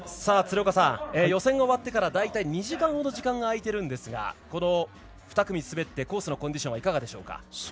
予選が終わってから大体２時間ほど時間が開いているんですがこの２組、滑ってコースのコンディションはいかがでしょうか？